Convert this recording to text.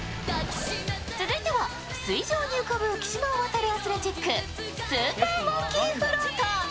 続いては水上に浮かぶ浮き島を渡るアスレチック、スーパーモンキーフロート。